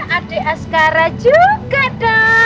adik askara juga dong